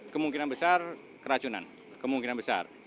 kemungkinan besar keracunan kemungkinan besar